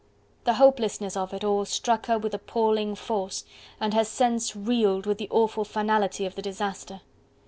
The hopelessness of it all struck her with appalling force, and her senses reeled with the awful finality of the disaster.